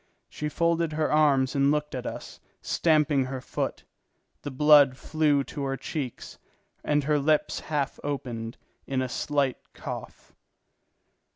She folded her arms and looked at us, stamping her foot. The blood flew to her cheeks, and her lips half opened in a slight cough.